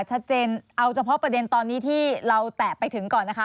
ชัดเจนเอาเฉพาะประเด็นตอนนี้ที่เราแตะไปถึงก่อนนะคะ